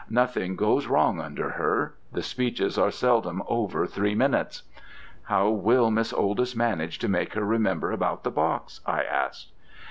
'Nothing goes wrong under her: the speeches are seldom over three minutes.' 'How will Miss Oldys manage to make her remember about the box?' I asked.